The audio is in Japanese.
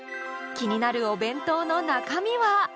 気になるお弁当の中身は？